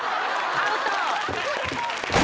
アウト！